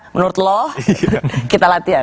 menurut lo kita latihan